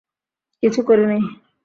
কিছু করি নাই।